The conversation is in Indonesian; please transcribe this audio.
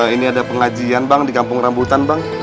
ini ada pengajian bang di kampung rambutan bang